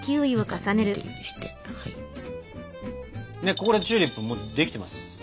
ここでチューリップもうできてます。